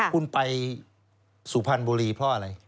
คุณไปสุพรรณบุรีเพราะอะไร